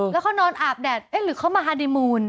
แล้วเขานอนอาบแดดเอ๊ะหรือเขามาฮาดีมูล